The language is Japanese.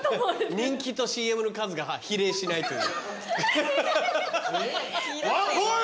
人気とＣＭ数が比例しないという。